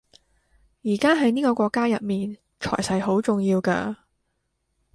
而家喺呢個國家入面財勢好重要㗎